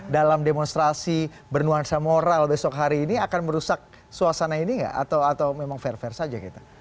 dalam demonstrasi bernuansa moral besok hari ini akan merusak suasana ini nggak atau memang fair fair saja kita